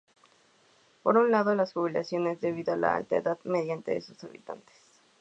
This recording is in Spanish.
Por un lado las jubilaciones, debido a la alta edad media de sus habitantes.